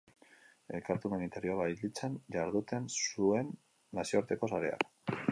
Elkarte humanitarioa bailitzan jarduten zuen nazioarteko sareak.